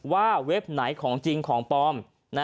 เว็บไหนของจริงของปลอม